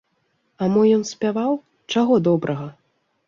А мо ён спяваў, чаго добрага?